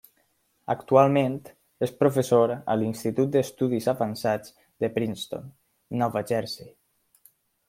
Actualment és professor a l'Institut d'Estudis Avançats de Princeton, Nova Jersey.